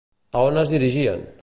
A on es dirigien?